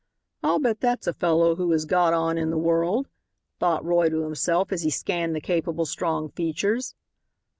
"I'll bet that's a fellow who has got on in the world," thought Roy to himself as he scanned the capable, strong features.